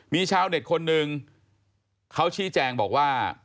มีชาวเน็ตคนหนึ่งเขาชี้แจงบอกว่า